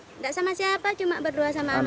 nggak sama siapa cuma berdua sama anak itu